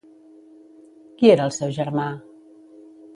Qui era el seu germà?